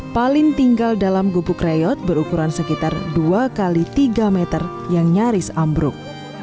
paling tinggal dalam gubuk reyot berukuran sekitar dua x tiga meter yang nyaris ambruk